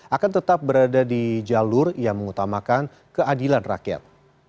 akan tetap berada di jalur yang mengutamakan keadilan rakyat